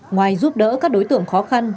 ngoài giúp đỡ các đối tượng khó khăn